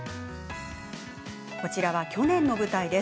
こちらは去年の舞台。